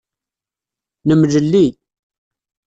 Nemlelli.